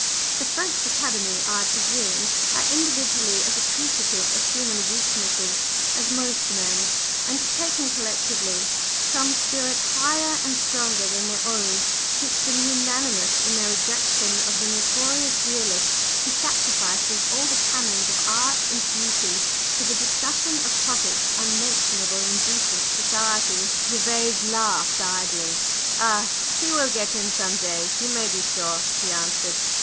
"The French Academy, I presume, are individually as appreciative of human weaknesses as most men; but taken collectively, some spirit higher and stronger than their own keeps them unanimous in their rejection of the notorious Realist who sacrifices all the canons of art and beauty to the discussion of topics unmentionable in decent society." Gervase laughed idly. "Oh, he will get in some day, you may be sure," he answered.